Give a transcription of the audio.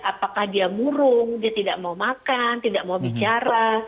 apakah dia murung dia tidak mau makan tidak mau bicara